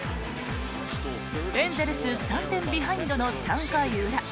エンゼルス３点ビハインドの３回裏。